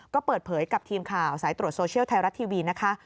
ก็เปิดเผยกับทีมข่าวสายตรวจโซเชียลไทยรัฐทีวีนะคะ